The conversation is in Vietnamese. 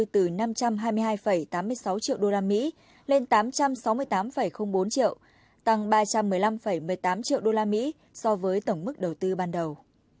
từ năm trăm hai mươi hai tám mươi sáu triệu usd lên tám trăm sáu mươi tám bốn triệu tăng ba trăm một mươi năm một mươi tám triệu usd so với tổng mức đầu tư ban đầu